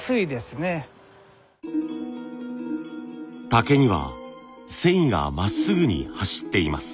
竹には繊維がまっすぐに走っています。